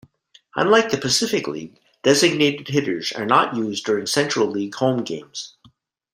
Unlike the Pacific League, designated hitters are not used during Central League home games.